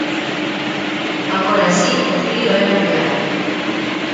Agora si o frío era real.